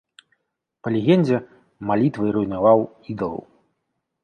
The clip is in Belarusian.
Па легендзе, малітвай руйнаваў ідалаў.